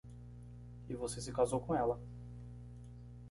E você se casou com ela.